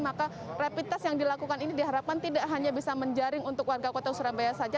maka rapid test yang dilakukan ini diharapkan tidak hanya bisa menjaring untuk warga kota surabaya saja